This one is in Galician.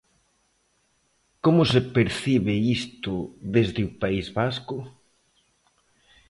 Como se percibe isto desde o País Vasco?